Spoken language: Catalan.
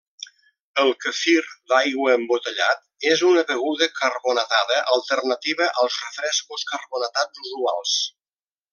El quefir d'aigua embotellat és una beguda carbonatada alternativa als refrescos carbonatats usuals.